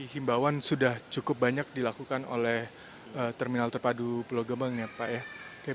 himbauan sudah cukup banyak dilakukan oleh terminal terpadu pulau gebang pak